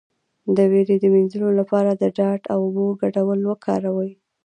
د ویرې د مینځلو لپاره د ډاډ او اوبو ګډول وکاروئ